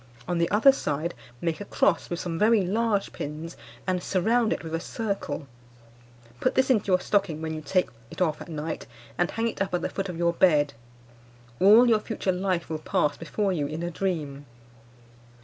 On the other side make a cross with some very large pins, and surround it with a circle. Put this into your stocking when you take it off at night, and hang it up at the foot of the bed. All your future life will pass before you in a dream.